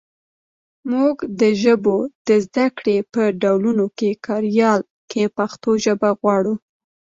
مونږ د ژبو د زده کړې په ډولونګو کاریال کې پښتو ژبه غواړو